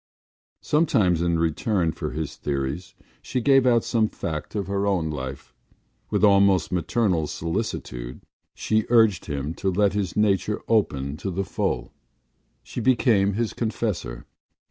Sometimes in return for his theories she gave out some fact of her own life. With almost maternal solicitude she urged him to let his nature open to the full: she became his confessor.